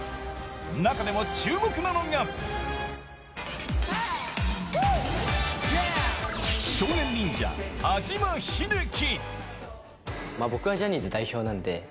中でも注目なのが少年忍者、安嶋秀生。